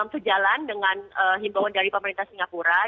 sejauh yang saya tahu himbawan dari kbri